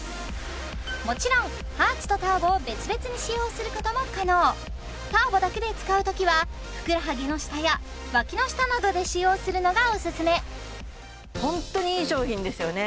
もちろんハーツとターボを別々に使用することも可能ターボだけで使うときはふくらはぎの下や脇の下などで使用するのがオススメホントにいい商品ですよね